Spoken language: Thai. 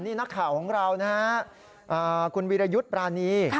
นี่นักข่าวของเรานะฮะคุณวิรยุทธ์ปรานี